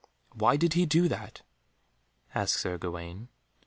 "Why did he do that?" asked Sir Gawaine.